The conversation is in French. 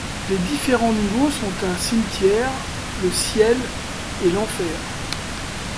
Les différents niveaux sont un cimetière, le ciel et l'enfer.